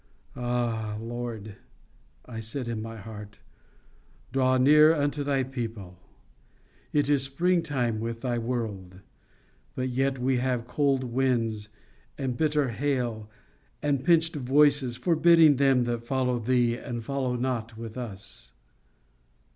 "Ah! Lord," I said, in my heart, "draw near unto Thy people. It is spring time with Thy world, but yet we have cold winds and bitter hail, and pinched voices forbidding them that follow Thee and follow not with us.